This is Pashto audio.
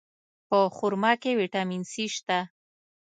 په خرما کې ویټامین C شته.